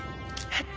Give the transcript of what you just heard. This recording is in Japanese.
えっ？